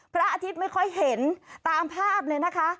พระอาทิตย์ไม่ค่อยเห็นตามภาพเลยนะคะ